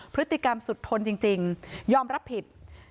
พฤติกรรมสุดทนจริงยอมรับผิด